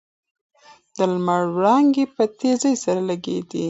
د لمر وړانګې په تېزۍ سره لګېدې.